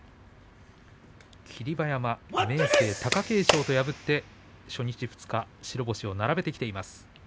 霧馬山、明生、貴景勝と破って初日、二日、白星を並べてきています。